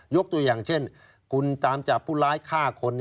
ตัวอย่างเช่นคุณตามจับผู้ร้ายฆ่าคน